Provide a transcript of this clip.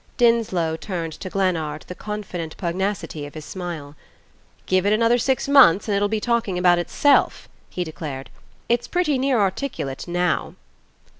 Dinslow turned to Glennard the confident pugnacity of his smile. "Give it another six months and it'll be talking about itself," he declared. "It's pretty nearly articulate now."